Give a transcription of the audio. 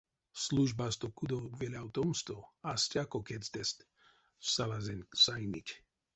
Службасто кудов велявтомсто а стяко кедьстэст салазенть сайнить.